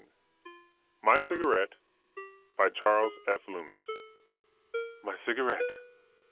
MY CIGARETTE BY CHARLES F. LUMMIS My cigarette!